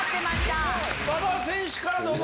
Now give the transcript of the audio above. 馬場選手からどうぞ！